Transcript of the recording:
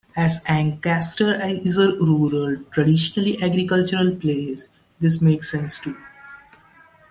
As Ancaster is a rural, traditionally agricultural place this makes sense too.